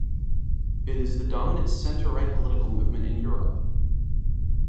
It is the dominant centre-right political movement in Europe.